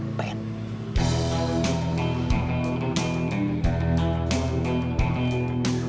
muslihat anaknya dicopet